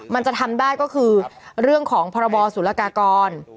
มันจะทำได้ก็คือเรื่องของพรบสุรกากร